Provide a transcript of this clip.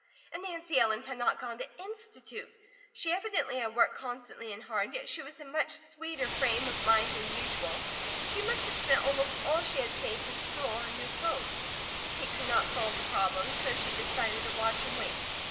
And Nancy Ellen had not gone to Institute. She evidently had worked constantly and hard, yet she was in much sweeter frame of mind than usual. She must have spent almost all she had saved from her school on new clothes. Kate could not solve the problem, so she decided to watch and wait.